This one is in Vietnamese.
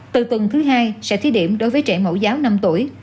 từ tuần thứ hai sẽ thí điểm đối với trẻ mẫu giáo năm tuổi